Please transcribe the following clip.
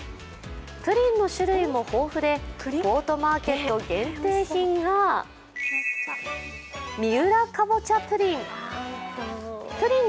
プリンの種類も豊富でポートマーケット限定品が三浦カボチャプリン。